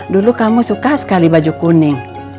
dulu kamu suka sekali baju kuning